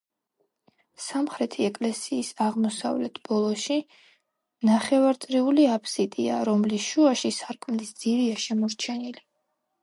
სამხრეთი ეკლესიის აღმოსავლეთ ბოლოში ნახევარწრიული აფსიდია, რომლის შუაში სარკმლის ძირია შემორჩენილი.